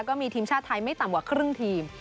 ก็มีทีมชาติไทยไม่ต่ำกว่าครึ่งทีม